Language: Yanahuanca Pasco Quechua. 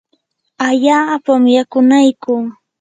allaapam yakunaykuu.